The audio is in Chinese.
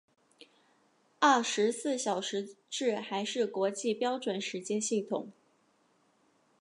二十四小时制还是国际标准时间系统。